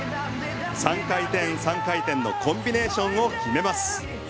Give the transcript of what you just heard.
３回転３回転のコンビネーションを決めます。